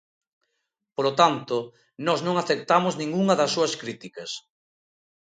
Polo tanto, nós non aceptamos ningunha das súas críticas.